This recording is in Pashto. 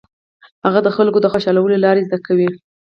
هغه د خلکو د خوشالولو لارې زده کوي.